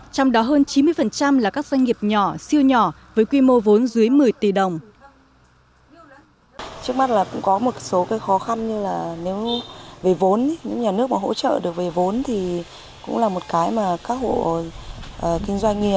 trong đó hơn chín mươi là các doanh nghiệp nhỏ siêu nhỏ với quy mô vốn dưới một mươi tỷ đồng